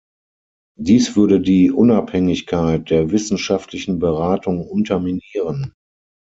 Dies würde die Unabhängigkeit der wissenschaftlichen Beratung unterminieren.